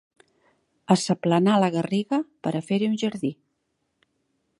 Assaplanar la garriga per a fer-hi un jardí.